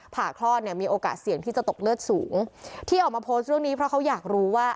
ผ่าคลอดเนี่ยมีโอกาสเสี่ยงที่จะตกเลือดสูงที่ออกมาโพสต์เรื่องนี้เพราะเขาอยากรู้ว่า